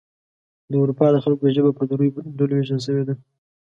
د اروپا د خلکو ژبه په دریو ډلو ویشل شوې ده.